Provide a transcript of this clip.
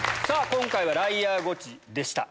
今回はライアーゴチでした。